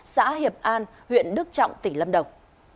xã hiệp an huyện đức trọng tỉnh lâm đồng